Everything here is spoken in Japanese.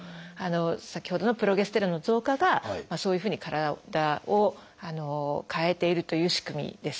先ほどのプロゲステロンの増加がそういうふうに体を変えているという仕組みです。